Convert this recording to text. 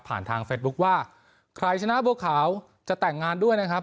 ทางเฟซบุ๊คว่าใครชนะบัวขาวจะแต่งงานด้วยนะครับ